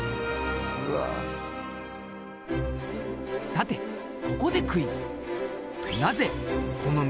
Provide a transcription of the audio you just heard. さてここでクイズ！